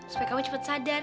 supaya kamu cepat sadar